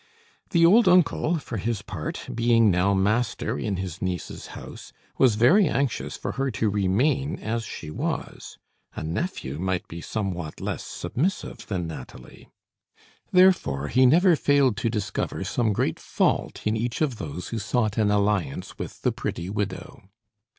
The old uncle, for his part, being now master in his niece's house, was very anxious for her to remain as she was. A nephew might be somewhat less submissive than Nathalie. Therefore, he never failed to discover some great fault in each of those who sought an alliance with the pretty widow.